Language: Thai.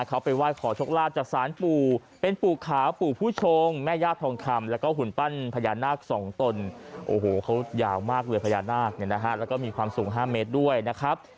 เขาไปไหว้ขอโชคลาภจากศาลปู่เป็นปู่ขาวปู่ผู้ชงแม่ญาติทองคำแล้วก็หุ่นปั้นพญานาคสองตนโอ้โหเขายาวมากเลยพญานาคเนี่ยนะฮะแล้วก็มีความสูง๕เมตรด้วยนะครับ